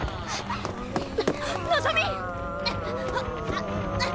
のぞみ！